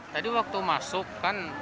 tadi waktu masuk kan